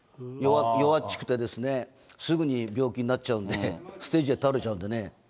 弱っちくてですね、すぐに病気になっちゃうんで、ステージで倒れちゃうんでね。